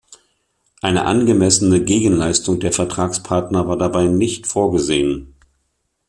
Eine angemessene Gegenleistung der Vertragspartner war dabei nicht vorgesehen.